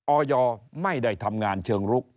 ออยไม่ได้ทำงานเชิงลุก